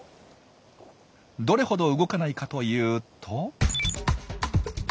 どれほど動かないかというと。